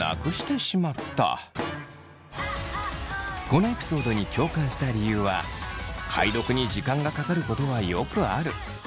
このエピソードに共感した理由は解読に時間がかかることはよくある。